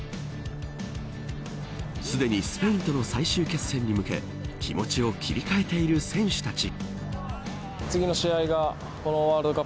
すでにスペインとの最終決戦に向け、気持ちを切り替えている選手たち。